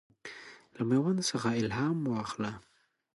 له میوند څخه الهام واخله.